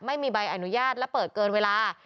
ไม่มีใบอนุญาตและเปิดเกินเวลา